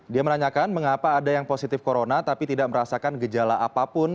dia menanyakan mengapa ada yang positif corona tapi tidak merasakan gejala apapun